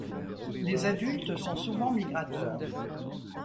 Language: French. Les adultes sont souvent migrateurs.